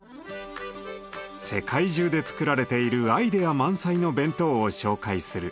世界中で作られているアイデア満載の弁当を紹介する「ＢＥＮＴＯＥＸＰＯ」。